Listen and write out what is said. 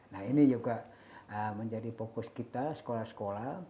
nah ini juga menjadi fokus kita sekolah sekolah